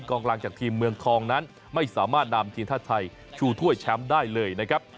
กลางจากทีมเมืองทองนั้นไม่สามารถนำทีมชาติไทยชูถ้วยแชมป์ได้เลยนะครับ